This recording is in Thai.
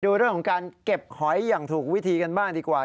ดูเรื่องของการเก็บหอยอย่างถูกวิธีกันบ้างดีกว่า